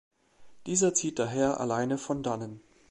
Dieser zieht daher alleine von dannen.